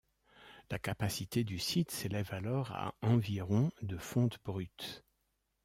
La capacité du site s'élève alors à environ de fonte brute.